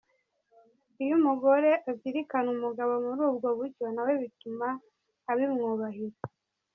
iyo umugore azirikana umugabo muri ubwo buryo nawe bituma abimwubahira.